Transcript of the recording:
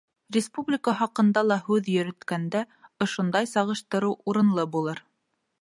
Республика хаҡында ла һүҙ йөрөткәндә, ошондай сағыштырыу урынлы булыр.